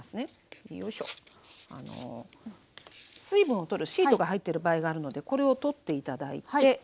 水分を取るシートが入ってる場合があるのでこれを取って頂いて。